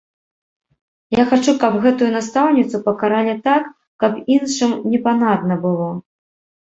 Я хачу, каб гэтую настаўніцу пакаралі так, каб іншым непанадна было.